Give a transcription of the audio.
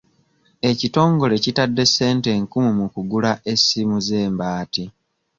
Ekitongole kitadde ssente nkumu mu kugula essimu z'embaati.